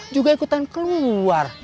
juga ikutan keluar